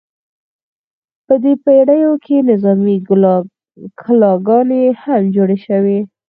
په دې پیړیو کې نظامي کلاګانې هم جوړې شوې.